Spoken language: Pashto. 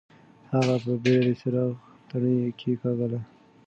هغه په بېړه د څراغ تڼۍ کېکاږله.